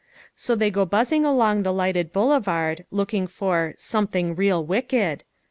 So they go buzzing along the lighted boulevard looking for "something real wicked."